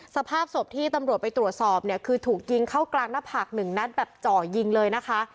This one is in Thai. สภาพศพที่ตำรวจไปตรวจสอบเนี่ยคือถูกยิงเข้ากลางหน้าผากหนึ่งนัดแบบเจาะยิงเลยนะคะ